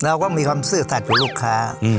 เราต้องมีความสึดสัชธิ์ด้วยลูกค้า